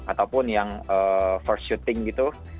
ataupun yang first shooting gitu